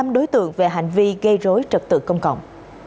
năm đối tượng về hành vi gây rối trật tự công cộng